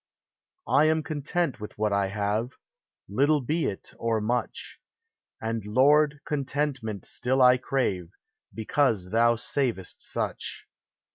I am content with what I have, Little be it or much ; And, Lord, contentment still I crave, Because thou savest such.